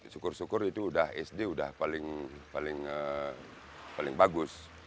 syukur syukur itu sudah sd paling bagus